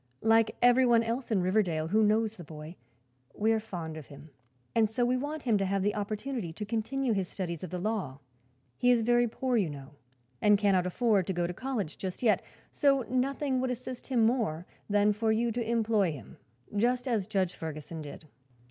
"Like everyone else in Riverdale who knows the boy, we are fond of him, and so we want him to have the opportunity to continue his studies of the law. He is very poor, you know, and cannot afford to go to college just yet; so nothing would assist him more than for you to employ him, just as Judge Ferguson did."